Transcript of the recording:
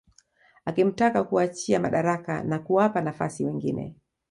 Akimtaka kuachia madaraka na kuwapa nafasi wengine